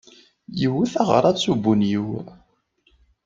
Iwet aɣrab s ubunyiw.